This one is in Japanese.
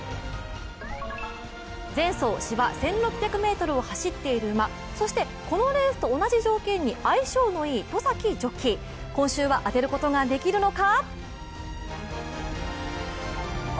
前走・芝１６００ｍを走っている馬そしてこのレースと同じ条件に相性のいい戸崎ジョッキー、今週は当てることができるのか？